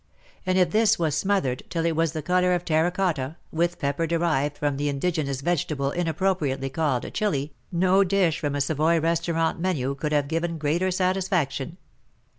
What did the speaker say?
And if this was smothered, till it was the colour of terra cotta, with pepper derived from the indigenous vegetable inappropriately called Chili, no dish from a Savoy restaurant menu could have given greater satisfaction.